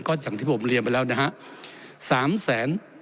ก็อย่างที่ผมเรียนไปแล้วนะฮะ